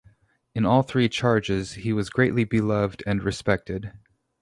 In all three charges he was greatly beloved and respected.